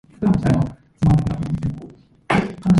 His legal decisions also carried much weight in rabbinic literature.